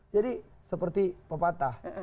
jadi seperti pepatah